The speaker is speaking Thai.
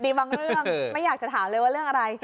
บางเรื่องไม่อยากจะถามเลยว่าเรื่องอะไร